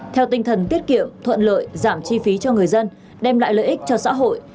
theo tinh thần tiết kiệm thuận lợi giảm chi phí cho người dân đem lại lợi ích cho xã hội